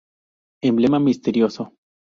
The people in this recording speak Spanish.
Emblema misterioso.